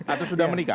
atau sudah menikah